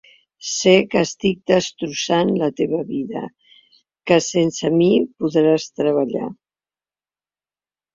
Sé que estic destrossant la teua vida, que sense mi podràs treballar.